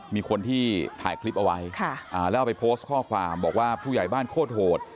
มีคนที่ถ่ายคลิปเอาไว้แล้วเอาไปโพสต์ข้อความบอกว่าผู้ใหญ่บ้านโคตรโหด